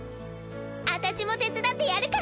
あたちも手伝ってやるか！